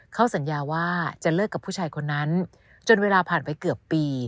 เขาสัญญาว่าจะเลิกกับผู้ชายคนนั้นจนเวลาผ่านไปเกือบปี